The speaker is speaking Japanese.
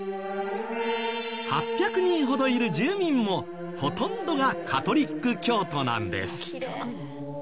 ８００人ほどいる住民もほとんどがカトリック教徒なんです。